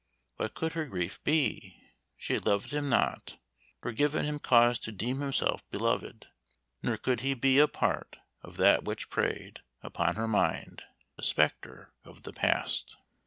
What could her grief be? she had loved him not, Nor given him cause to deem himself beloved, Nor could he be a part of that which prey'd Upon her mind a spectre of the past."